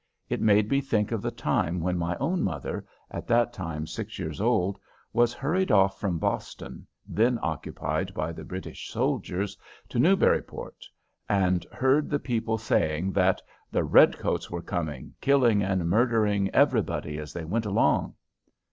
It made me think of the time when my own mother, at that time six years old, was hurried off from Boston, then occupied by the British soldiers, to Newburyport, and heard the people saying that "the redcoats were coming, killing and murdering everybody as they went along."